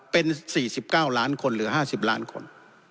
เป็น๔๙ล้านคนเหลือ๕๐ล้านคน